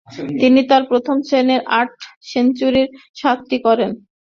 তিনি তার প্রথম-শ্রেণীর আট সেঞ্চুরির সাতটি করেন।